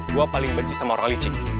gue paling benci sama orang licik